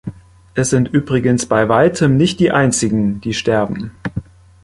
Es sind übrigens bei weitem nicht die einzigen, die sterben.